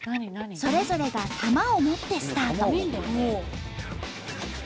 それぞれが玉を持ってスタート。